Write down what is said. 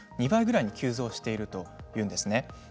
２倍くらいに急増しているというんですね。